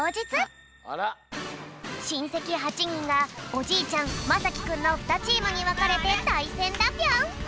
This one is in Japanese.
しんせき８にんがおじいちゃんまさきくんの２チームにわかれてたいせんだぴょん！